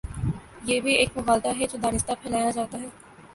یہ بھی ایک مغالطہ ہے جو دانستہ پھیلایا جا تا ہے۔